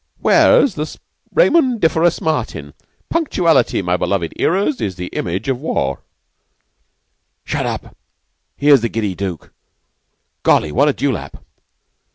"Where's the Raymondiferous Martin? Punctuality, my beloved 'earers, is the image o' war " "Shut up. Here's the giddy Dook. Golly, what a dewlap!"